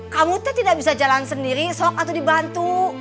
kamu tidak bisa jalan sendiri sok atau dibantu